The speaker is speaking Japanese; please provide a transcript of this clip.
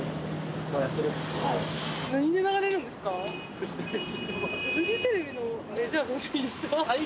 フジテレビ。